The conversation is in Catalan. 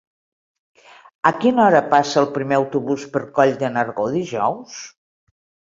A quina hora passa el primer autobús per Coll de Nargó dijous?